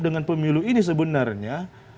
dengan pemilu ini sebenarnya